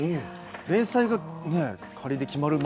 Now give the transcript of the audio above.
連載が仮で決まるまで。